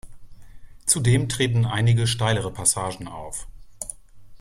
Zudem treten einige steilere Passagen auf.